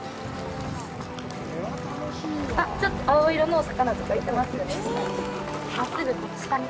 あっ、ちょっと青色のお魚とかいてますよ、下に。